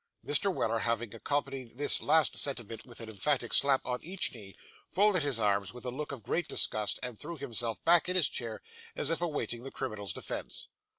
Mr. Weller having accompanied this last sentiment with an emphatic slap on each knee, folded his arms with a look of great disgust, and threw himself back in his chair, as if awaiting the criminal's defence.